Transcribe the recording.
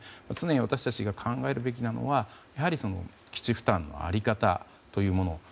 常に私たちが考えるべきなのはやはり基地負担の在り方というもの。